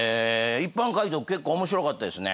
一般回答結構面白かったですね。